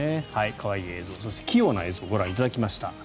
可愛い映像そして器用な映像をご覧いただきました。